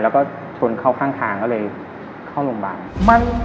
แล้วก็ชนเข้าข้างทางก็เลยเข้าโรงพยาบาล